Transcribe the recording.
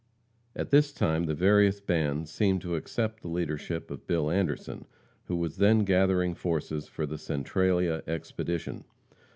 At this time the various bands seemed to accept the leadership of Bill Anderson, who was then gathering forces for the Centralia expedition.